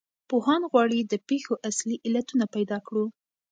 پوهان غواړي د پېښو اصلي علتونه پیدا کړو.